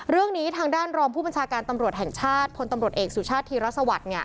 เรื่องนี้ทางด้านรองผู้บัญชาการตำรวจแห่งชาติพลตำรวจเอกสุชาติธีรสวัสดิ์